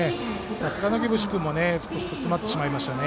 さすがの木伏君も詰まってしまいましたね。